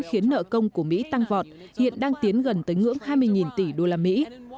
khiến nợ công của mỹ tăng vọt hiện đang tiến gần tới ngưỡng hai mươi tỷ đô la mỹ